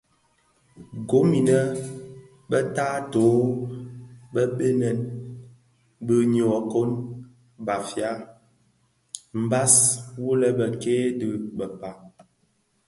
Gom inèn bë taatoh bë bënèn, bë nyokon (Bafia) mbas wu lè bekke dhi bëkpag,